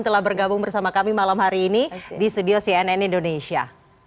telah bergabung bersama kami malam hari ini di studio cnn indonesia